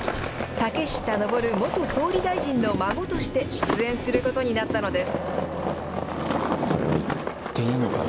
竹下登元総理大臣の孫として出演することになったのです。